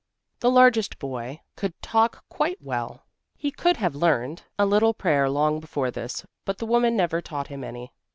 The largest boy could talk quite well. He could have learned a little prayer long before this, but the woman never taught him any.